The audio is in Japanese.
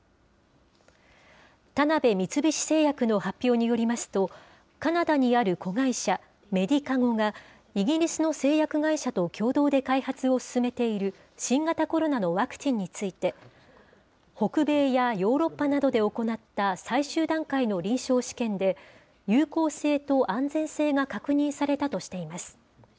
田辺三菱製薬の発表によりますと、カナダにある子会社、メディカゴが、イギリスの製薬会社と共同で開発を進めている新型コロナのワクチンについて、北米やヨーロッパなどで行った最終段階の臨床試験で、有効性と安全性が確認されたとしています。